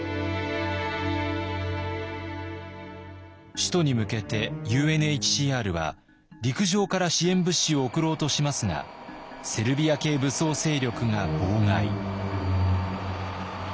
首都に向けてＵＮＨＣＲは陸上から支援物資を送ろうとしますがセルビア系武装勢力が妨害。